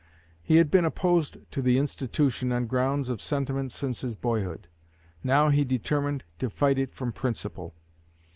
He had been opposed to the institution on grounds of sentiment since his boyhood; now he determined to fight it from principle.